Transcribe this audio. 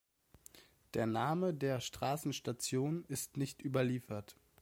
Der Name der Straßenstation ist nicht überliefert.